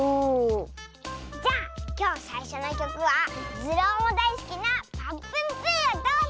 じゃきょうさいしょの１きょくはズルオもだいすきな「ぱっぷんぷぅ」をどうぞ！